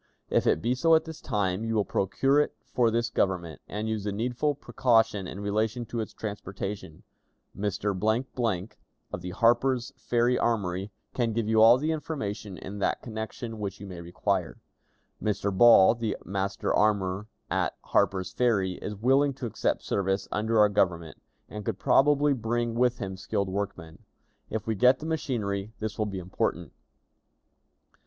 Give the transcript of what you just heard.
If it be so at this time, you will procure it for this Government, and use the needful precaution in relation to its transportation. Mr. , of the Harper's Ferry Armory, can give you all the information in that connection which you may require. Mr. Ball, the master armorer at Harper's Ferry, is willing to accept service under our Government, and could probably bring with him skilled workmen. If we get the machinery, this will be important.